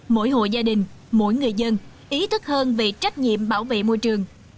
mỗi hộ gia đình mỗi người dân ý thức hơn về trách nhiệm bảo vệ môi trường